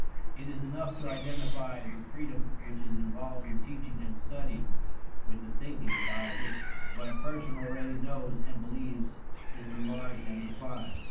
It is enough to identify the freedom which is involved in teaching and studying with the thinking by which what a person already knows and believes is enlarged and refined.